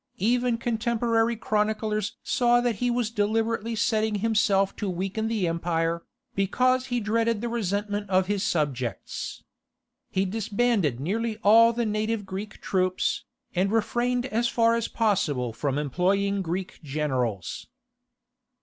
Even contemporary chroniclers saw that he was deliberately setting himself to weaken the empire, because he dreaded the resentment of his subjects. He disbanded nearly all the native Greek troops, and refrained as far as possible from employing Greek generals.